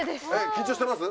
緊張してます？